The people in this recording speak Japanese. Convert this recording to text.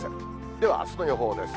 では、あすの予報です。